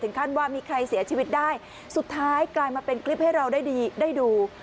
ขั้นว่ามีใครเสียชีวิตได้สุดท้ายกลายมาเป็นคลิปให้เราได้ดู